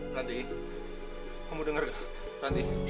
tanti kamu dengar gak tanti